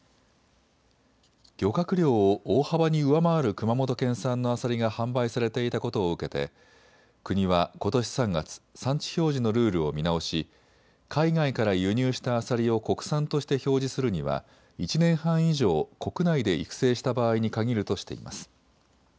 漁獲量を大幅に上回る熊本県産のアサリが販売されていたことを受けて国はことし３月、産地表示のルールを見直し、海外から輸入したアサリを国産として表示するには１年半以上国内で育成した場合に限るとしています。